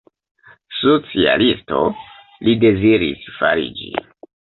Socialisto li deziris fariĝi.